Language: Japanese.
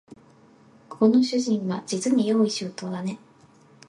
ここの主人はじつに用意周到だね